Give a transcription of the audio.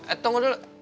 eh tunggu dulu